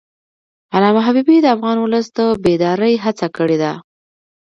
علامه حبیبي د افغان ولس د بیدارۍ هڅه کړې ده.